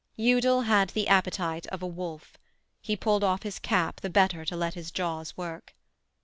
Udal had the appetite of a wolf. He pulled off his cap the better to let his jaws work.